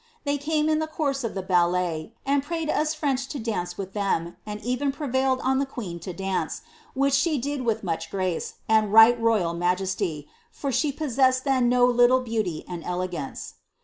They came in the course of the ballet, and prayed us French to dance with them, and even prevailed on lbs queen to dance, which she did with much grace, and right royal majesty: for she poesested then no little beauty and elegance."